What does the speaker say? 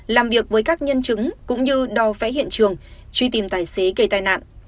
làm việc với các nhân chứng cũng như đò phé hiện trường truy tìm tài xế gây tai nạn